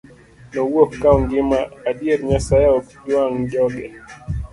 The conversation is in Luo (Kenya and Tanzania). Nowuok ka ongima, adier Nyasaye ok jwang' joge.